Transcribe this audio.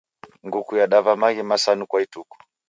Nguku yadava maghi masanu kwa ituku.